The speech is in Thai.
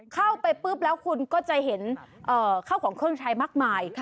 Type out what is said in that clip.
เข้าไปปุ๊บแล้วคุณก็จะเห็นเข้าของเครื่องใช้มากมาย